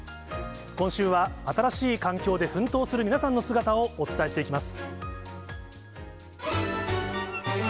今週は、新しい環境で奮闘する皆さんの姿をお伝えしていきます。